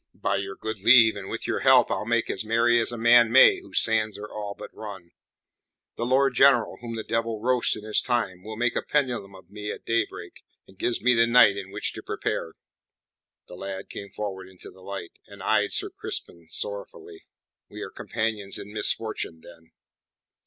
"By your good leave and with your help I'll make as merry as a man may whose sands are all but run. The Lord General whom the devil roast in his time will make a pendulum of me at daybreak, and gives me the night in which to prepare." The lad came forward into the light, and eyed Sir Crispin sorrowfully. "We are companions in misfortune, then."